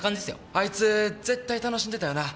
あいつ絶対楽しんでたよな？